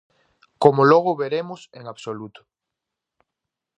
Como logo veremos, en absoluto.